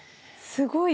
すごい。